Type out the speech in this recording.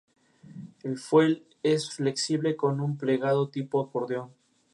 Actualmente, las escuelas virtuales existen en todo el mundo.